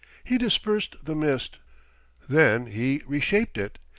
He dispersed the mist. Then he reshaped it.